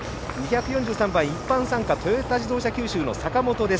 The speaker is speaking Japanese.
一般参加トヨタ自動車九州の坂本です。